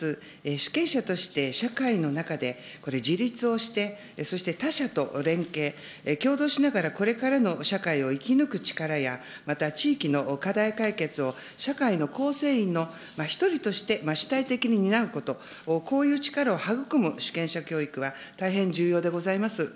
主権者として社会の中で、これ、自立をして、そして他者と連携、協働しながらこれからの社会を生き抜く力や、また地域の課題解決を社会の構成員の１人として主体的に担うこと、こういう力を育む主権者教育は大変重要でございます。